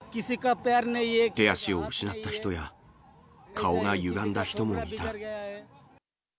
手足を失った人や、顔がゆがんだ人もいた。